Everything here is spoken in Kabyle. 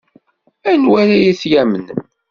Anwa ara t-yamnen?